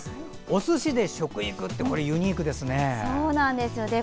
おすしで食育ってユニークですね。